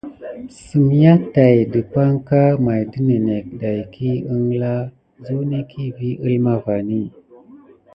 Semyà tàt ɗəpakɑŋ may də ninek dayki anka zuneki vi əlma vani.